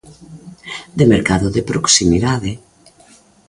De mercado de proximidade.